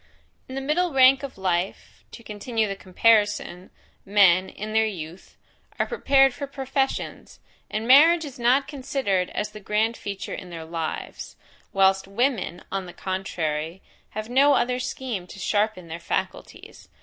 In the middle rank of life, to continue the comparison, men, in their youth, are prepared for professions, and marriage is not considered as the grand feature in their lives; whilst women, on the contrary, have no other scheme to sharpen their faculties.